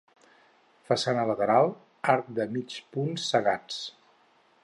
Façana lateral, arcs de mig punt cegats.